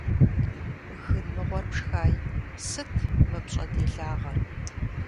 Гын мыгъуэр пшхаи, сыт мы пщӀэ делагъэр?